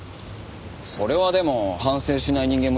それはでも反省しない人間もいる。